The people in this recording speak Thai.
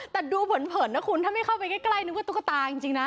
แต่ดูเผินนะคุณถ้าไม่เข้าไปใกล้นึกว่าตุ๊กตาจริงนะ